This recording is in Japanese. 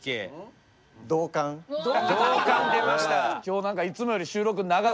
同感出ました。